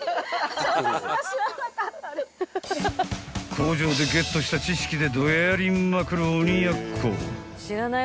［工場でゲットした知識で］